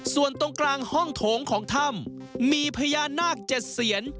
ส่วนตรงกลางห้องโถงของถ้ำมีพญานาค๗เสียน